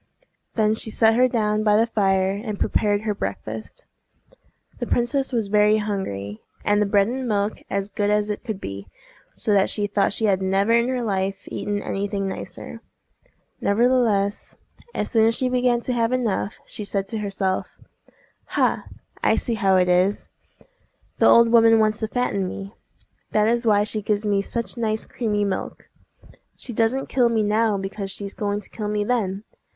Then she set her down by the fire, and prepared her breakfast. The princess was very hungry, and the bread and milk as good as it could be, so that she thought she had never in her life eaten any thing nicer. Nevertheless, as soon as she began to have enough, she said to herself,— "Ha! I see how it is! The old woman wants to fatten me! That is why she gives me such nice creamy milk. She doesn't kill me now because she's going to kill me then!